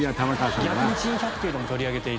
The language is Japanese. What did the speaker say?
逆に『珍百景』でも取り上げて頂けたら。